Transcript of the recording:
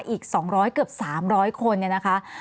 อีก๒๐๐เกือบ๓๐๐คนเนี่ยนะคะ